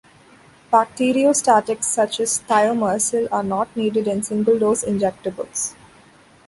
Bacteriostatics such as thiomersal are not needed in single-dose injectables.